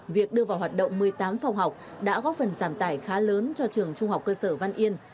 việc đưa vào hoạt động một mươi tám phòng học đã góp phần giảm tải khá lớn cho trường trung học cơ sở văn yên